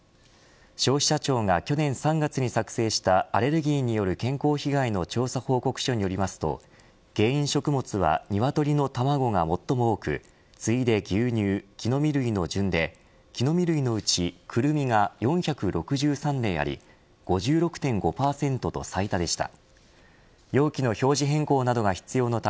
消費者庁が去年３月に作成したアレルギーによる健康被害の調査報告書によりますと原因食物は、鶏の卵か最も多く次いで牛乳、木の実類の順で木の実類のうちクルミが４６３例あり５６．５％と最多でした。